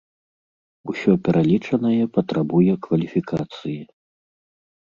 Усё пералічанае патрабуе кваліфікацыі.